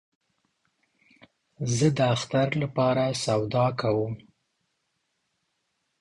زه د اختر له پاره سودا کوم